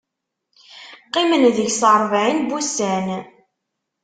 Qqimen deg-s ṛebɛin n wussan.